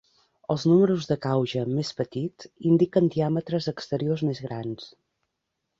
Els números de gauge més petits indiquen diàmetres exteriors més grans.